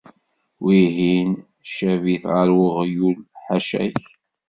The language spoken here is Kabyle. Wihin cabi-t ɣer uɣyul, ḥaca-k.